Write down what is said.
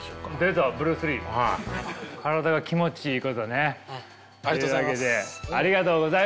体が気持ちいいことね。というわけでありがとうございました。